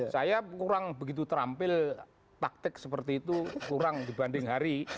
saya kurang begitu terampil taktik seperti itu kurang dibanding hari